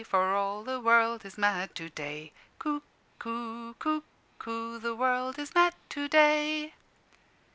For all the world is mad to day Cuckoo cuckoo! The world is mad to day."